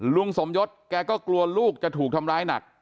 ลุงสมยศแกก็กลัวลูกจะถูกทำร้ายหนัก